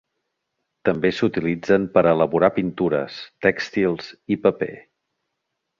També s'utilitzen per a elaborar pintures, tèxtils i paper.